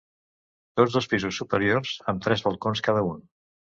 Té dos pisos superiors amb tres balcons cada un.